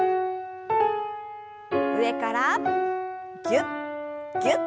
上からぎゅっぎゅっと。